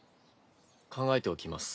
考えておきます。